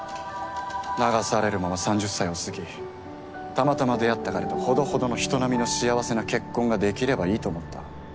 流されるまま３０歳を過ぎたまたま出会った彼とほどほどの人並みの幸せな結婚ができればいいと思った。